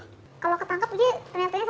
kalau ketangkep dia ternyata nya seratus juta